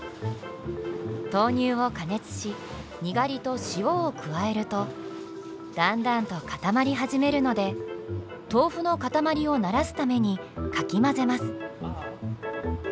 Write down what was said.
豆乳を加熱しニガリと塩を加えるとだんだんと固まり始めるので豆腐の塊をならすためにかき混ぜます。